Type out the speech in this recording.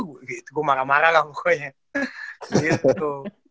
gue marah marah lah pokoknya gitu